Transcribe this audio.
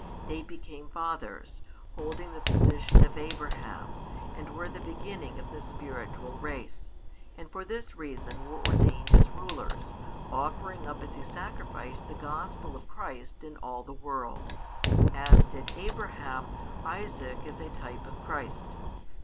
They became fathers, holding the position of Abraham, and were the beginning of the spiritual |407 race, and for this reason were ordained as rulers, offering up as a sacrifice the Gospel of Christ in all the world, as did Abraham Isaac as a type of Christ.